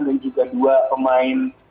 dan juga dua pemain